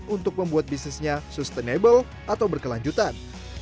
untuk membuat bisnisnya sustainable atau berkelanjutan